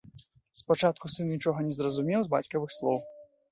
Спачатку сын нічога не зразумеў з бацькавых слоў.